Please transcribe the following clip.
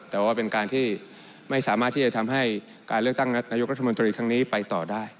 แต่ว่าเป็นการที่ไม่สามารถที่จะทำให้การเลือกตั้งนายกรัฐมนตรีครั้งนี้ไปต่อได้